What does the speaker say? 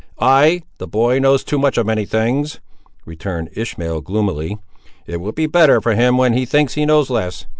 "Ay, the boy knows too much of many things," returned Ishmael, gloomily. "It will be better for him when he thinks he knows less.